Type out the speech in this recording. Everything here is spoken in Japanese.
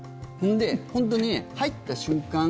本当にね、入った瞬間